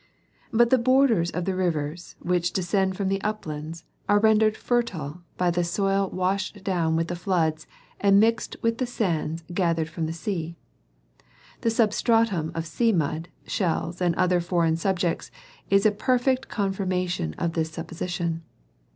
But the borders of the rivers, which descend from the uplands, are rendered fertile by the soil washt down with the floods and mixt with the sands gathered from the sea. The substratum of sea mud, shells and other foreign subjects is a perfect confirmation of this supposition.